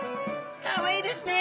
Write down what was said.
かわいいですね。